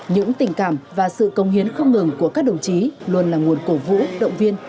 những tình cảm và sự công hiến không ngừng của các đồng chí luôn là nguồn cổ vũ động viên